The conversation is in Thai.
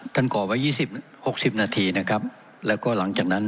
ก่อไว้ยี่สิบหกสิบนาทีนะครับแล้วก็หลังจากนั้น